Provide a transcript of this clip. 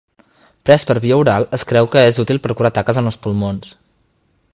Pres per via oral es creu que és útil per curar taques en els pulmons.